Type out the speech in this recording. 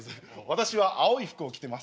私は青い服を着てます。